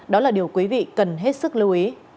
đó là điều quý vị cần hết sức lưu ý